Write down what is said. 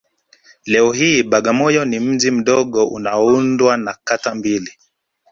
Leo hii Bagamoyo ni mji mdogo unaoundwa na kata mbili